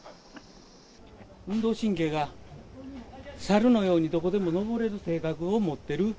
運動神経がサルのようにどこでも登れる性格を持ってる。